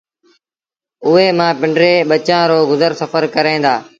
اُئي مآݩ پنڊري ٻچآݩ رو گزر سڦر ڪريݩ دآ